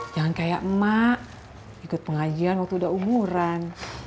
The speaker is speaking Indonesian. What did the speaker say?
jangan kayak emak ikut pengajian waktu udah umuran